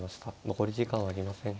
残り時間はありません。